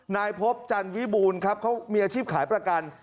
นายพบจันวิบูรณ์ครับเขามีอาชีพขายประกัน